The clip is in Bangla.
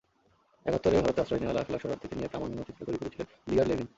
একাত্তরে ভারতে আশ্রয় নেওয়া লাখ লাখ শরণার্থীকে নিয়ে প্রামাণ্যচিত্র তৈরি করেছিলেন লিয়ার লেভিন।